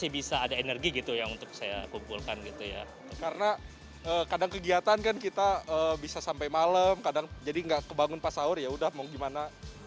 bisa sampai malam kadang jadi tidak terbangun pas sahur yaudah mau gimana